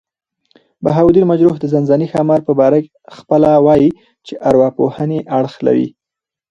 بهاوالدین مجروح د ځانځانۍ ښامارپه باره پخپله وايي، چي ارواپوهني اړخ لري.